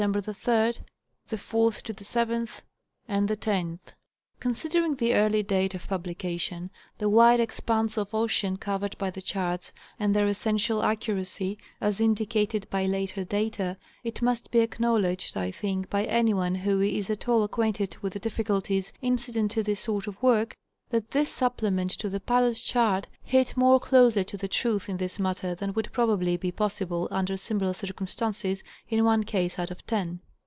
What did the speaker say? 3, 4 7, 10). Considering the early date of publica tion, the wide expanse of ocean covered by the charts, and their essential accuracy (as indicated by later data), it must be ac knowledged, I think, by anyone who is at all acquainted with the difficulties incident to this sort of work, that this supplement to the Pilot Chart hit more closely to the truth in this matter than would probably be possible under similar circumstances in one case out of ten.